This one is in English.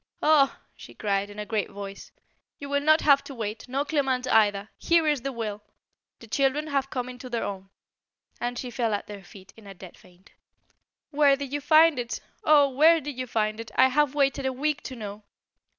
"Ah!" she cried, in a great voice, "you will not have to wait, nor Clement either. Here is the will! The children have come into their own." And she fell at their feet in a dead faint. "Where did you find it? Oh! where did you find it? I have waited a week to know.